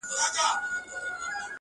• ستا د ښار د ښایستونو په رنګ ـ رنګ یم.